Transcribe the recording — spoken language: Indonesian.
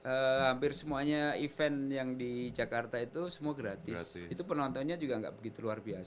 hampir semuanya event yang di jakarta itu semua gratis itu penontonnya juga nggak begitu luar biasa